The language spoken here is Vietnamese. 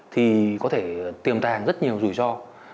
thì có thể tiềm tàng rất nhiều rủi ro